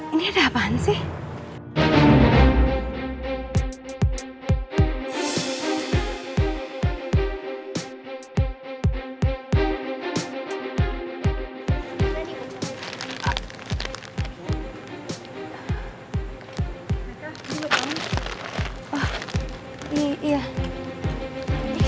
ini ada apaan sih